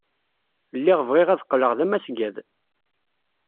Lliɣ bɣiɣ ad qqleɣ d amasgad.